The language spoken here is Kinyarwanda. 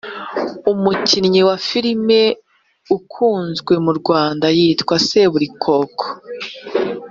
Umukinnyi wa filime ukunzwe mu Rwanda yitwa seburikoko